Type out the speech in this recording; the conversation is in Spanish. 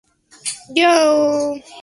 Actualmente es el Pte.